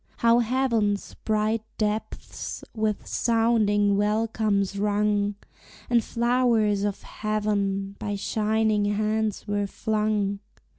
How heaven's bright depths with sounding welcomes rung, And flowers of heaven by shining hands were flung!